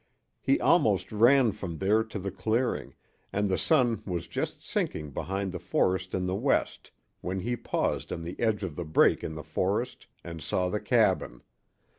He almost ran from there to the clearing, and the sun was just sinking behind the forest in the west when he paused on the edge of the break in the forest and saw the cabin.